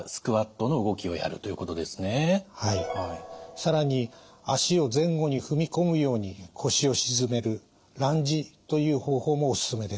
更に足を前後に踏み込むように腰を沈めるランジという方法もおすすめです。